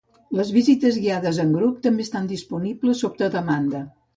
Les visites guiades en grup també estan disponibles sota demanda.